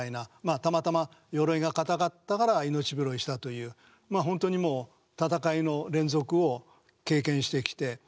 たまたま鎧が硬かったから命拾いしたという本当にもう戦いの連続を経験してきて。